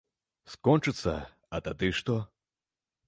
Скончыцца, а тады што?